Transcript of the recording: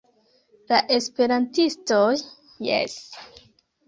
La esperantistoj jes.